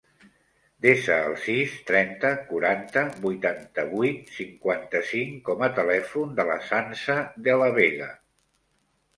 Desa el sis, trenta, quaranta, vuitanta-vuit, cinquanta-cinc com a telèfon de la Sança De La Vega.